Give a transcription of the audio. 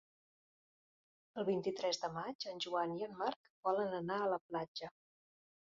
El vint-i-tres de maig en Joan i en Marc volen anar a la platja.